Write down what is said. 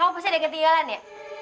oh pasti ada ketinggalan ya